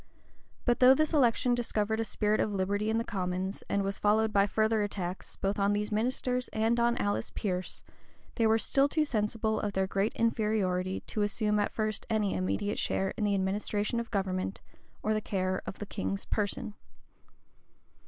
But though this election discovered a spirit of liberty in the commons, and was followed by further attacks, both on these ministers and on Alice Pearce,[*] they were still too sensible of their great inferiority to assume at first any immediate share in the administration of government, or the care of the king's person.